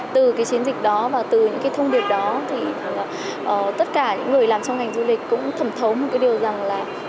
từ cái chiến dịch đó và từ những cái thông điệp đó thì tất cả những người làm trong ngành du lịch cũng thẩm thấu một cái điều rằng là